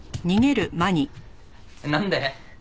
なんで？